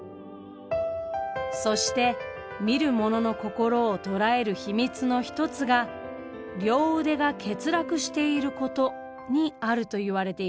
そして見る者の心を捉える秘密の一つが両腕が欠落していることにあるといわれています。